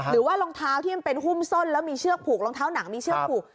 หรือว่ารองเท้าที่มันเป็นหุ้มส้นแล้วมีเชือกผูกรองเท้าหนังมีเชือกผูก